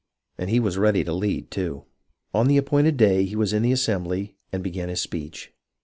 And he was ready to lead, too. On the appointed day he was in the assembly, and began his speech.